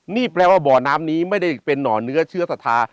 นี่แปลว่าบ่อน้ำนี้ไม่ได้เป็นหน่อเนื้อเชื้อศรัทธา